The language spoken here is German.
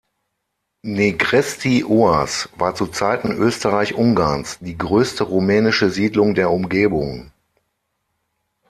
Negrești-Oaș war zu Zeiten Österreich-Ungarns die größte rumänische Siedlung der Umgebung.